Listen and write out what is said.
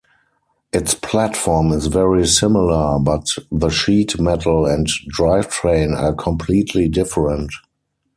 Its platform is very similar, but the sheet metal and drivetrain are completely different.